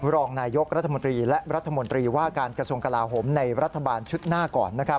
รองนายกรัฐมนตรีและรัฐมนตรีว่าการกระทรวงกลาโหมในรัฐบาลชุดหน้าก่อน